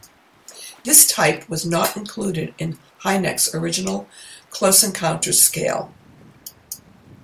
This type was not included in Hynek's original close encounters scale.